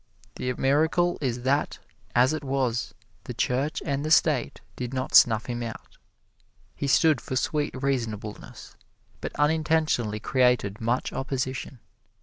The miracle is that, as it was, the Church and the State did not snuff him out. He stood for sweet reasonableness, but unintentionally created much opposition.